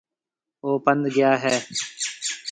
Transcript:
او پنڌ گيا هيَ۔